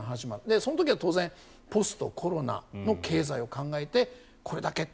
その時は当然ポストコロナの経済を考えてこれだけと。